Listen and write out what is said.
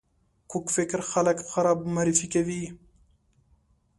کوږ فکر خلک خراب معرفي کوي